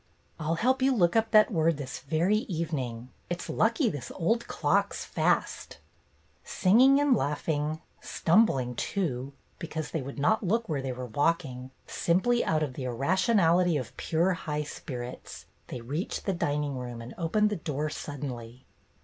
"I 'll help you look up that word this very evening. It 's lucky this old clock 's fast !" Singing and laughing, stumbling too, be cause they would not look where they were walking, simply out of the irrationality of 8 BETTY BAIRD'S GOLDEN YEAR pure high spirits, they reached the dining room and opened the door suddenly.